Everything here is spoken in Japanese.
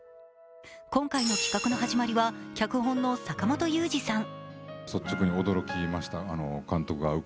今回の企画の始まりは脚本の坂元裕二さん。